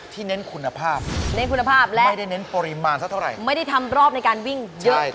ตีไม่พลาดเลยตีไม่พลาดเลยตีไม่พลาดเลย